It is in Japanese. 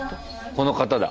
この方だ。